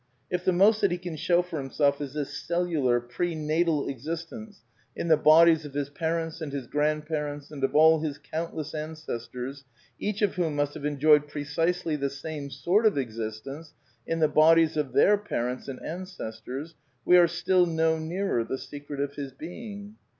If the most that he can show for himself is this cellular, prenatal existence in the bodies of his parents and his grand parents and of all his countless an cestors, each of whom must have enjoyed precisely the same sort of existence in the bodies of their parents and ancestors, we are still no nearer the secret of his being.